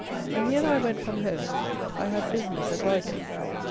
When he and I went from home, I had business at Reigate.